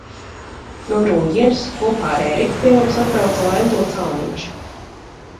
No Rūjienas, kopā ar Ēriku pie mums atbrauca Laimdots Auniņš.